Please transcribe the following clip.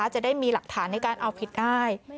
จะได้มีหลักฐานในการเอาผิดได้